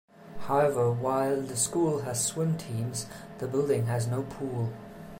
However, while the school has swim teams, the building has no pool.